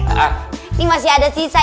ini masih ada sisa